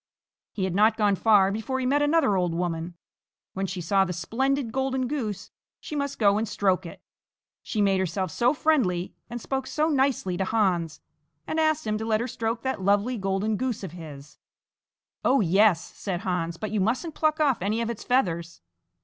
He had not gone far before he met another old woman. When she saw the splendid golden goose, she must go and stroke it. She made herself so friendly and spoke so nicely to Hans, and asked him to let her stroke that lovely golden goose of his. "Oh, yes!" said Hans, "but you mustn't pluck off any of its feathers!"